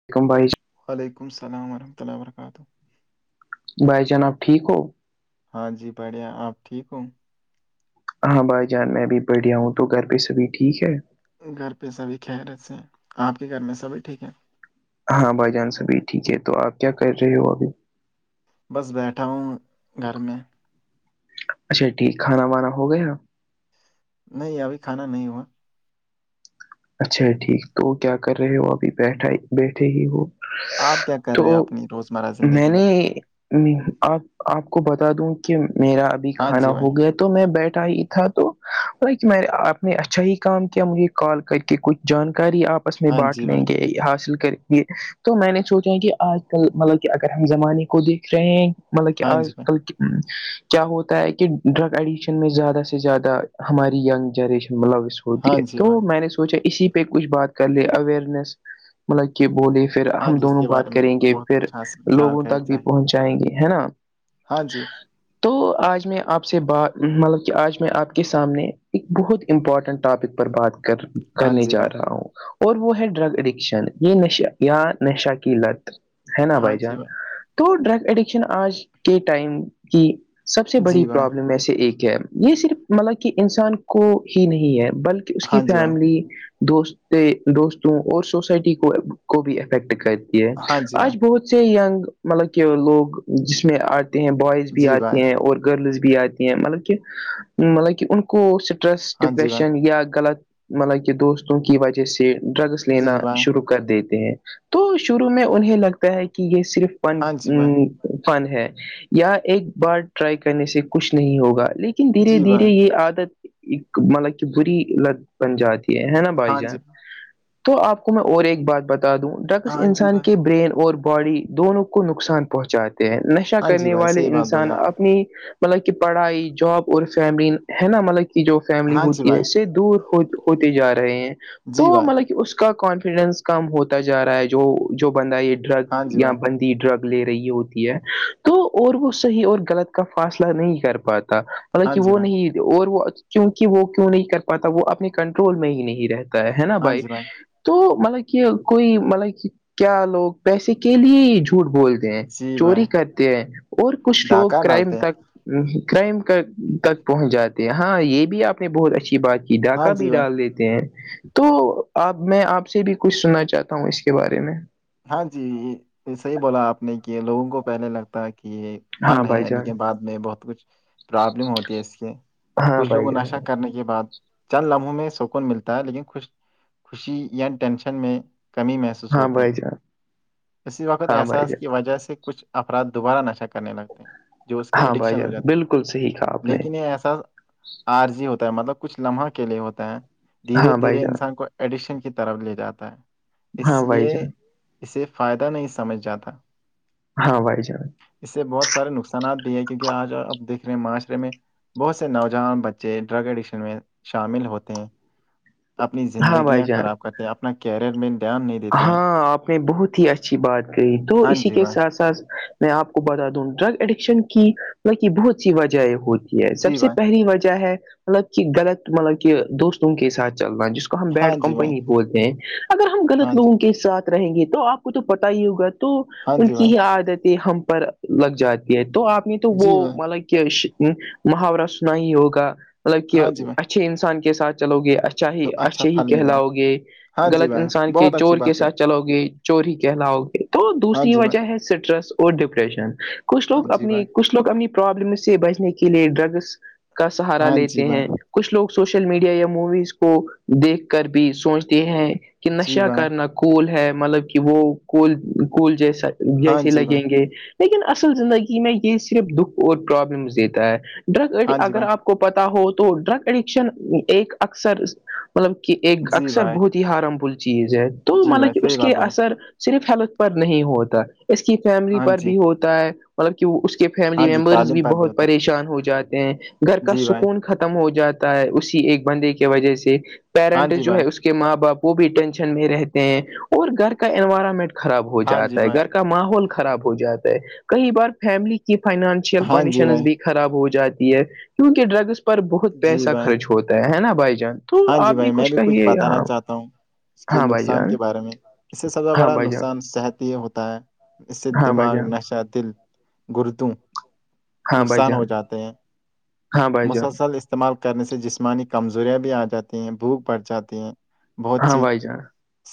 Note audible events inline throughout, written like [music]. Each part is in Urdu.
[unintelligible] وعلیکم السلام ورحمۃ اللہ و برکاتہ بھائی جناب ٹھیک ہو ہاں جی بڑھیا آپ ٹھیک ہو ہاں بھائی جان میں ا بھیھی بیڑھیا ہوں تو گھر پہ سبھی ٹھیک ہے گھر پہ سبھی خیرت سے آپ کے گھر میں سبھی ٹھیک ہے ہاں بھائی جان سبھی ٹھیک ہے تو آپ کیا کر رہے ہو ابھی بس بیٹھا ہوں گھر میں اچھا ٹھیک کھانا وانا ہو گئے نہیں ابھی کھانا نہیں ہوا اچھا ٹھیک تو کیا کر رہے ہو ابھی بیٹھا بیٹھے ہی وہ آپ کیا کر تو رہے ہو اپنی روزمرہ میں زندگی نے آپ آپ کو بتا دوں کہ میرا ابھی ہاں کھانا جی بھائی ہو گیا تو میں بیٹھا ہی تھا تو ب میں آپ نے اچھا ہی کام کیا مجھے کال کری کہ کچھ جانکاری آپس میں ہاں بانٹ جی لیں بھائی گے حاصل کر یہ تو میں نے سوچا ہے کہ آج کل مطلب کہ اگر ہم زمانے کو دیکھ رہے ہیں مطلب کہ ہاں جی آج بھائی کل کی کیا ہوتا ہے کہ ڈرگ ایڈکشن میں زیادہ سے زیادہ ہماری گ جنریشن مطلب اس ہوتی ہاں ہے جی تو بھائی میں نے سوچا اسی پہ کچھ بات کر لے اوئرنیس مطلب کہ بولے پھر ہاں ہم جی اس دونوں کے بارے بات میں کریں گے بہت پھر کچھ حاصل لوگوں جانکاری تک بھی چاہیے پہنچائیں گے ہے نا ہاں جی تو آج میں آپ سے بات مطلب کہ آج میں آپ کے سامنے ایک بہت امپورٹنٹ ٹاپک پر بات کر ہاں کرنے جی جا بھائی رہا ہوں اور وہ ہے ڈرگ اڈکشن یہ نش یا نشہ کی لت ہے نا ہاں بھائی جی جان تو ڈرگ ایڈکشن آج کے ٹائم کہ سب سے بڑی جی بھائی پرابلم میں سے ایک یہ صرف مطلب کہ انسان کو ہی نہیں ہے بلکہ اس ہاں کی جی بھائی فیملی دوستتے دوستوں اور سوسائٹی کو کو بھی افیکٹ کرتی ہے ہاں جی بھائی آج بہت سے ینگ مطلب کہ لوگ جس میں آتے ہیں بوائز بھی جی بھائی آتے ہیں اور گرلز بھی آتی ہیں مطلب کہ مطلب کہ ان کو اسٹریس ہاں جی بھائی ڈپریشن یا غلط مطلب کہ دوستوں کی وجہ سے ڈرگس لینا جی بھائی شروع کر دیتے ہیں تو شروع میں انہیں لگتا ہے کہ یہ صرف فن ہاں جی بھائی فن ہے یا ایک بار ٹرائی کرنے سے کچھ نہیں ہوگا لیکن لیکن دھیرے جی دھیرے بھائی یہ عادت ایک مطلب کہ بری لت بن جاتی ہے نا بھائی ہاں جی جان تو آپ کو میں اور ایک بات بتا دوں ڈگس ہاں جی انسان بھائی کے برین اور باڈی دونوں کو نقصان پہنچا تے ہیں نشہ ہاں جی کرنے بھائی والے صحیح بات بولی انسان آپ نے اپنی مطلب کہ پڑھائی جاب اور فیملی ہے نا مطلب کہ جو فیملی ہاں جی ہوتی ہے بھائی اس سے دور ہو ہوتے جا رہے ہیں تو جی بھائی مطلب کہ اس کا کانفیڈینس کم ہوتا جا رہا ہے جو جو بندہ یہ ڈرگ ہاں جی یا بھائی بند ی ڈرگ لے رہی ہوتی ہے تو اور وہ صحیح اور غلط کا فاصلہ نہیں کر پاتا مطلب ہاں کہ جی وہ بھائی نہیں اور وہ کیونکہ وہ کیوں نہیں کر پاتا وہ اپنے کنٹرول میں ہی نہیں رہتا ہے ہے نا ہاں بھائی جی تو مطلب کہ کوئی مطلب کہ کیا لوگ پیسے کے لیے جھوٹ بولتے ہیں جی بھائی چوری کرتے ہیں اور کچھ لوگ ڈھاکہ کرائم ڈالتے ہیں تک کرائم تک پہنچ جاتے ہیں ہاں یہ بھی آپ نے بہت اچھی بات کی ہاں کا جی بھی بھائی ڈال دیتے ہیں تو آب میں آپ سے بھی کچھ سننا چاہتا ہوں اس کے بارے میں ہاں جی صحی بولا آپ نے کہ لوگوں کو پہلے لگتا کہ یہ ہاں فن بھائی ہے جان لیکن بعد میں بہت کچھ پرابلم ہوتی ہے اس سے ہاں کچھ بھائی لوگوں جان نشہ کرنے یہ بات چند لمحوں میں سکون ملتا ہے لیکن خوش خوشی یا ٹینشن میں کمی محسوس ہاں ہوتی بھائی ہے جان اسی وقت ہاں بھائی احساس جان کی وجہ سے کچھ افراد دوبارہ نشہ کرنے لگتے ہےجو اس کے ہاں بھائی اڈکشن ہو جان جاتے ہیں بالکل صحیح کہا آپ نے لیکن یہ احساس آرضی ہوتا ہے مطلب کچھ لمحہ کے لیے ہوتا ہے دھیرے ہاں بھائی دھیرے جان انسان کو ایڈکشن کی طرف لے جاتا ہے ہاں اس بھائی لیے جان اسے فائدہ نہیں سمجھ جاتا ہاں بھائی جان اس سے بہت سارے نقصانات بھی ہے کیونکہ آج آپ دیکھ رہے ہیں معاشرے میں بہت سے نوجوان بچے ڈرگ ایڈکشن میں شامل ہوتے ہیں اپنی ہاں بھائی زندگیاں جان خراب کرتے ہیں اپنا کیریئر میں دھیان نہیں دیتے ہیں ہاں آپ نے بہت ہی اچھی بات کہی تو ہاں اسی جی کے بھائی ساتھ ساتھ میں آپ کو بتا دوں ڈرگ اڈکشن کی بقی بہت سی وجہ ہوتی سب جی سے بھائی پہلی وجہ ہے مطلب کہ غلط مطلب کہ دوستوں کے ساتھ چل رہنا جس کو ہم ہاں بیڈ جی بھائی کمپنی بولتے ہیں اگر ہم غلط ہاں جی لوگوں کے ساتھ رہیں گے تو آپ کو تو پتا ہی ہوگا تو ہاں ان جی کی بھائی ہی عادتیں ہم پر لگ جاتی ہے تو آپ نے تو وہ جی بھائی مطلب کہ محاورہ سنا ہی ہوگا مطلب کہ ہاں جی بھائی اچھے انسان کے ساتھ چلو گے چاہے تو اچھا اچھے ہی پھل ملے گا کہلاؤ گے ہاں جی غلط بھائی انسان کی بہت اچھی بات ہے چلو گے چوری کہلاؤ گے تو ہاں دوسری جی بھائی وجہ ہے سٹریس اور ڈپریشن کچھ ہاں لوگ جی اپنی بھائی کچھ لوگ اپنی پرابلم سے بچنے کے لیے ڈرگس کا سہارا ہاں جی لیتے بھائی ہیں کچھ لوگ سوشل میڈیا یا موویز کو دیکھ کر بھی سوچتے ہیں کہ جی نشہ بھائی کرنا کول ہے مطلب کہ وہ کول کول جیسا ہاں جیسے جی بھائی لگیں گے لیکن اصل زندگی میں یہ صرف دکھ اور پرابلم دیتا ہے ڈرگ ای ہاں جی اگر بھائی آپ کو پتا ہو تو ڈرگ ایڈکشن ایک اکثر مطلب کہ ایک جی اکثر بھائی بہت ہارم فل چیز ہے تو جی بھائی مطلب صحیح اس کے بات بولی اثر صرف ہیلت پر نہیں ہوتا اس کی فیملی ہاں پر جی بھی ہوتا ہے مطلب کہ اس کے ہاں فیملی جی ممبرز تعلیم بھی پر بہت ہوتا پریشان ہو جاتے ہیں گھر ہے کا جی بھائی سکون ختم ہو جاتا ہے اسی ایک بندے کی وجہ سے ہاں پیرنٹ جی جو بھائی ہے اس کے ماں باپ وہ بھی ٹینشن میں رہتے ہیں اور گھر کا انوائرمنٹ خراب ہو ہاں جی جاتا ہے بھائی گھر کا ماحول خراب ہو جاتا ہے کئی بار فیملی کی فائنانشیل ہاں جی کنڈیشنز بھائی بھییک خراب ہو جاتی ہے کیونکہ ڈرگس پر بہت جی پیسہ بھائی خرچ ہوتا ہے نا بھائی جان تو ہاں جی آپ بھائی میں بھی کچھ کہیے بتانا یہاں چاہتا ہوں اس کی ہاں بھائی نقصان جان کے بارے میں اس سے سب سے ہاں بڑا بھائی جان نقصان صحتی یہ ہوتا ہے اس ہاں بھائی دماغ جان نشا دل گردوں ہاں بھائی نقصان ہو جان جاتے ہیں ہاں بھائی جان مسلسل اس استعمال کرنے سے جسمانی کمزوریاں بھی آ جاتی ہیں بھوک بڑھ جاتی ہیں بہت سی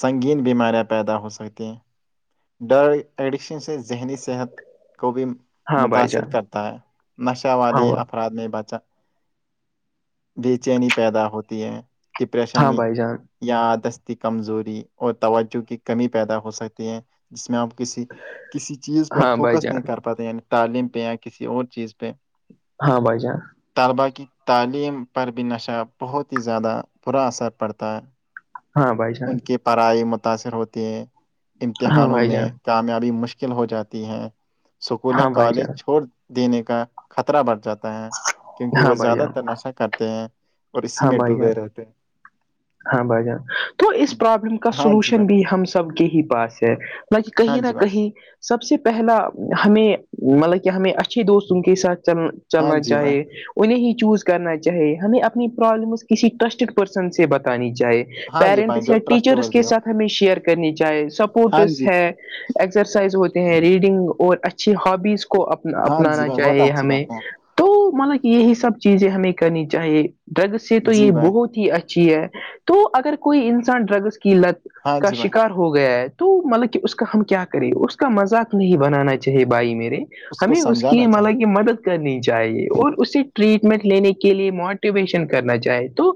سنگین بیماریاں پیدا ہو سکتی ہیں ڈر ایڈکشن سے ذہنی صحت کو بھی ہاں بھائی متاثر جان کرتا ہے نشہ والے ہاں افراد میں بچا بے چینی پیدا ہوتی ہے ڈپریشن بھائی جان یا دستی کمزوری اور توجہ کی کمی پیدا ہو سکتی ہے جس میں آپ کسی کسی چیز پر ہاں ہاں بھائی فوکس نہیں جان کر پ یعنی تعلیم پہ یا کسی اور چیز پہ ہاں بھائی جان طلبا کی تعلیم پر بھی نشہ بہت ہی زیادہ برا اثر پڑتا ہے ہاں بھائی ان جان کی پڑھائی متاثر ہوتی ہے ہاں امتحانوں بھائی میں جان کامیابی مشکل ہو جاتی ہے اسکولیا ہاں بھائی کالج جان چھوڑ دینے کا خطرہ بڑھ جاتا ہے کیونکہ ہاں وہ بھائی زیادہ جان تر نشہ کرتے ہیں اور اسی ہاں میں بھائی جان ڈوبے ہیں ہاں بھائی جان تو اس پرابلم کا ہاں جی سولوشن بھائی بھی ہم سب کے ہی پاس ہے بق ہاں کہیں نہ جی بھائی کہیں سب سے پہلا ہمیں مطلب کہ ہمیں اچھے دوست ان کے ساتھ چل ہاں چلنا جی بھائی چاہے انہیں ہی چوز کرنا چاہے ہمیں اپنی پرابلم کسی ٹرسٹیڈ پرسن سے بتا آنی چاہیے ہاں جی بھائی پیرنٹس جو یا ٹرسٹ ٹیچرس کے دی ہو ساتھ ہمیں شیئر کرنی چاہے ہاں سپورٹس جی ہے ایکسرسائز ہوتے ہیں ریڈنگ اور اچھی ہابیز کو اپ ہاں جی اپنانا بھائی بہت چاہیے اچھی بات ہمیں ہے آپ تو مطلب یہی سب چیزیں ہمیں کرنی چاہیے ڈرگ سے کی تو یہ جی بھائی بہت ہی اچھی ہے تو اگر کوئی انسان ڈرگس کی لت ہاں کا جی بھائی شکار ہو گیا ہے تو مطلب کہ اس کا ہم کیا کریں اس کا مذاق نہیں بنانا چاہے بھائی میرے کو ہمیں اس کی سمجھانا ہمانا چاہیے کہ مدد کرنی چاہیے اور اسے ٹریٹمنٹ لینے کے لیے موٹیویشن کرنا چاہے تو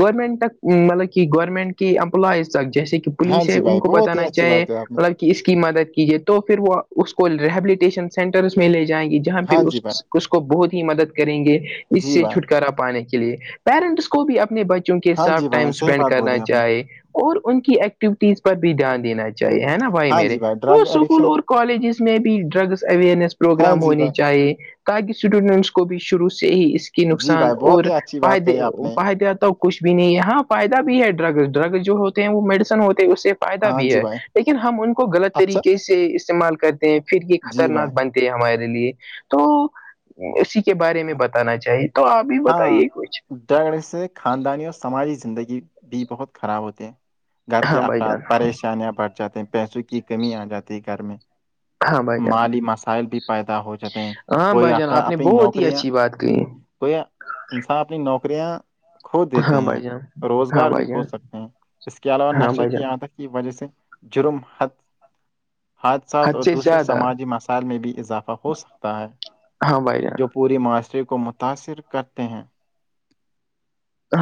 گورنمنٹ تک مطلب کہ گورنمنٹ کی امپلائز تک جیسے کہ ہاں پولیس ہے جی ان بھائی کو بہت ہی بتانا اچھی چاہے بات ہے آپ نے مطلب کہ اس کی مدد کیجیے تو پھر وہ اس کو ریہبلیٹیشن سینٹرس میں لے جائیں گی جہاں پہ ہاں جی بھائی اس کو بہت ہی مدد کریں گے اس جی سے بھائی چھٹکارا پانے کے لیے پیرنٹس کو بھی اپنے بچے ہاں جی بائی صح ہی بات بولی آپ نے اور ان کی ایکٹیویٹیز پر بھی دھیان دینا چاہیے ہے نا ہاں میرے جی بھائی تو ڈرگ اسکول ایڈکشن اور کالجز میں بھی ڈرگس اویئرنیس ہاں پروگرام جی ہونے بھائی چاہیے اسٹوڈنٹس کو بھی شروع سے ہی اس کے جی نقصان بھائی اور بہت ہی اچھی بات فد کہی آپ نے فد کچھ بھی نہیں ہے ہاں فائدہ بھی ہے ڈرگ ڈرگ جو ہوتے ہیں وہ میڈیسن ہوتے ہیں اس سے پائدہ ہاں بھی جی ہے بھائی لیکن ہم ان کو غلط اچھا طریقے سے استعمال کرتے ہیں پھر یہ جی بھائی خطرناک بنتے ہمارے لیے تو اسی کے بارے میں بتانا چاہیے تو آپ بھی بتائیے کچھ اتر سے خاندانی اور سماجی زندگی بھی بہت خراب ہوتی ہے گھر کے ہاں بھائی افراد جان پریشانیاں بٹھ جاتے ہیں پیسوں کی کمی آ جاتی ہے گھر میں ہاں بھائی جان مالی مسائل بھی پیدا ہو جاتے ہیں ہاں کوئی بھائی جان افر آپ نے اپنی بہت ہی نوکریاں اچھی بات کہی کوئی انسان اپنی نوکریاں کھو ہے دیتے ہاں ہیں بھائی جان ہاں روزگار بھی بھائی کھو جان سکتے ہیں اس کے علاوہ ہاں نشے بھائی کی جان آ تک کی وجہ سے جرم حادثات حد اور سے زیادہ سماجی مسائل میں بھی اضافہ ہو سکتا ہے ہاں بھائی جو جان پوری معاشرے کو متاثر کرتے ہیں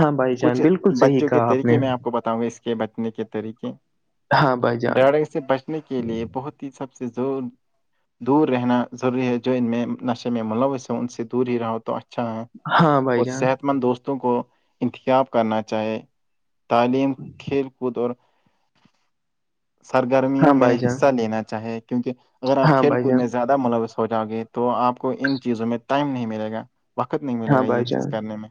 ہاں بھائی کچھ جان بالکل صحیح بچوں کے کہا طریقے نے میں آپ کو بتاؤں گا اس کے بچنے کے طریقے ہاں بھائی جان ڈر سے بچنے کے لیے بہت ہی سب سے زور دور رہنا ضروری ہے جو ان میں نشے میں ملوث ہوں ان سے دور ہی رہ ہو تو اچھا ہے ہاں بھائی اور جان صحت مند دوستوں کو انتخاب کرنا چاہے تعلیم کھیل کود اور سرگرمیوں ہاں میں بھائی جان حصہ لینا چاہے کیونکہ اگر آپ ہاں کھیل بھائی کود جان میں زیادہ ملوث ہو جاؤ گی تو آپ کو ان چیزوں میں ٹائم نہیں ملے گا وقت نہیں ملے ہاں گا یہ بھائی جان چیز کرنے میں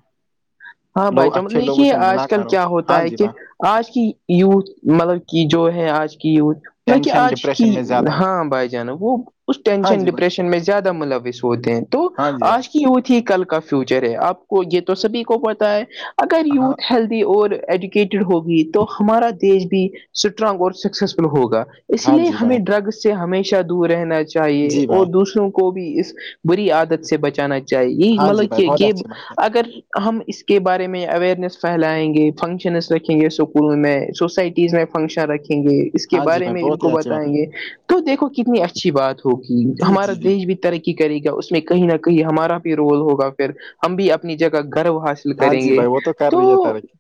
ہاں بھائی لوگ چان اچھے لوگوں دیکھیے سے آج ملا کل کرو کیا ہاں ہوتا ہے جی کہ میں آج کی یوتھ مطلب کی جو ہے آج کی یوتھ نہیں کہ ٹینشن آج کی ڈپریشن میں زیادہ ہے ہاں بھائی جانا وہ اس ہاں ٹینشن جی بھائی ڈپریشن میں زیادہ ملوث ہوتے ہیں تو ہاں جی بھائی آج یوتھ ہی کل کا فیوچر ہے آپ کو یہ تو سبھی کو پتا ہے اگر ہاں یوتھ ہیلد اور ایجوکیٹڈ ہوگی تو ہمارا دیش بھی اسٹرانگ اور سکسیسفل ہوگا اس ہاں لیے جی ہمیں بھائی ڈرگ سے ہمیشہ دور رہنا چاہیے جی اور بھائی دوسروں کو کو بھی اس بری عادت اس- سے بچانا چاہیے یہ ہاں جی مطلب بھائی کہ بہت یہ اچھی بات ہے اگر ہم اس کے بارے میں اویئرنیس پھیلائیں گے فنکشنز رکھیں گے اسکولوں میں سوسائٹیز میں فنکشا رکھیں گ کے ہاں جی بارے بھائی میں ان بہت کو ہی اچھی بات ہے بتائیں گے تو دیکھو کتنی اچھی بات ہوگی جی ہمارا جی جی دیش بھی ترقی کرے گا اس میں کہیں نہ کہیں ہمارا بھی رول ہوگا پھر ہم بھی اپنی جگہ گرو حاصل ہاں کریں جی گے بھائی وہ کر تو رہی ہے ترقی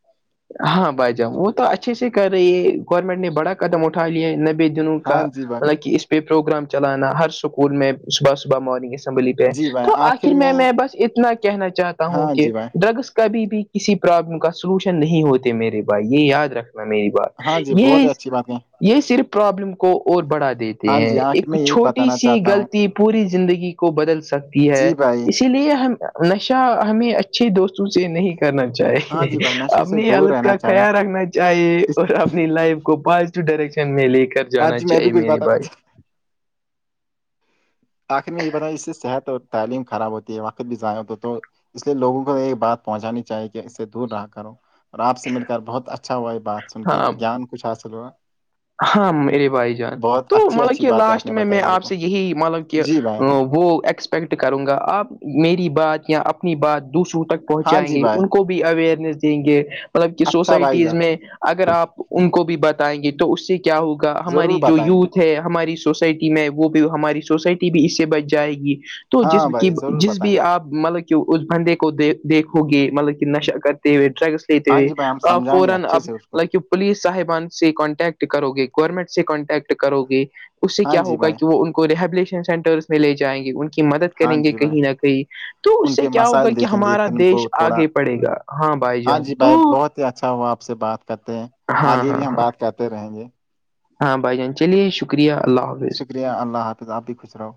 ہاں بھائی جان وہ تو اچھے سے کر رہی ہے گورنمنٹ نے بڑا قدم اٹھا لیا نبی دنوں ہاں کا جی بھائی مطلب کہ اس پہ پروگرام چلانا ہر سکول میں صبح صبح مارننگ اس لی پہ تو آخر میں میں بس اتنا کہنا چاہتا ہوں ہاں کہ جی بھائی ڈرگس کبھی بھی کسی پرابلم کا سلوشن نہیں ہوتے میرے بھائی یہ یاد رکھنا میری بات ہاں جی بہت یہ اچھی بات ہے یہ صرف پرابلم کو اور بڑھا دیتی ہاں ہیں جی آخر ایک میں یہی چھوٹی بتانا سی چاہتا ہوں غلط پوری زندگی کو بدل سکتی جی ہے بھائی اس اس لیے ہم نشہ ہمیں اچھے دوستوں سے نہیں کرنا ہاں چاہیے جی بھائی نشے سے اپنی دور حالت کا رہنا چاہے خیال رکھنا چاہیے اس اور اپنی لائف کو پازٹیو ڈائریکشن میں لے کر ہاں جانا جی میں بھی چاہیے کچھ میری بتانا بھائی آخر میں یہ بتا اس سے صحت اور تعلیم خراب ہوتی ہے وقت بھی ضائع ہو تو تو اس لیے لوگوں کو یہ بات پہنچانی چاہی کہ اس سے دور رہا کرو اور آپ سے مل کر بہت اچھا ہوا یہ بات سن کے ہاں گیان کچھ حاصل ہوا ہاں میرے بھائی جان بہت تو اچھی مطلب اچھی کہ بات ہے آپ لاسٹ نے میں میں بتائی میرے آپ کو سے یہی مطلب کہ جی بھائی وہ ایکسپیکٹ کروں گا آپ میری بات یا اپنی بات دوسروں تک ہاں پہنچائیں جی گے بھائی ان کو بھی اویئرنیس دیں گے مطلب کہ اچھا بھائی سوسائٹیز جان میں اگر آپ ان کو بھی بتائیں گے تو اس سے کیا ہوگا ہماری ضرور جو بتائیں گے یوتھ ہے ہماری سوسائٹی میں وہ بھی ہماری سوسائٹی بھی اس سے بچ جائے گی تو جس ہاں بھائی ضرور جس بتائیں بھی گے آپ مطلب کہ اس بندے کو دیکھو گے مطلب کہ نشہ کرتے ہوئے ڈرگس ہاں جی بھائی ہم سمجھائیں گے اچھے فورنب سے اس کو لک پولیس صاحبان سے کانٹیکٹ کرو گے گورنمنٹ سے کانٹیکٹ کرو گے اس سے ہاں کیا جی ہوگا بھائی کہ وہ ان کو رییہبلیشن سینٹرس میں لے جائیں گے کی مدد ہاں کریں گے جی بھائی کہیں نہ کہیں تو اس ان سے کے کیا ہوگا مسائل کہ دیکھیں گے ہمارا پھر ان دیش کو تھوڑا آگے پڑے گا بھائی ہاں جان جی تو بھائی بہت ہی اچھا ہوا آپ سے بات کرتے ہیں ہاں آگے ہاں بھی ہم ہاں بات کرتے رہیں گے ہاں بھائی جان چلیے شکریہ اللہ حافظ شکریہ اللہ حافظ آپ بھی خوش رہو